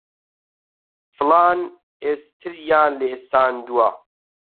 فڵان ئێستریان لێ ساندووە